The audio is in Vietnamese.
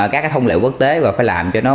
các cái thông lệ quốc tế và phải làm cho nó